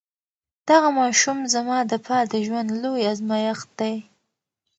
دغه ماشوم زما د پاتې ژوند لوی ازمېښت دی.